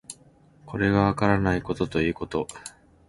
これがわからないことということ